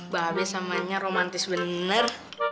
baabe samanya romantis bener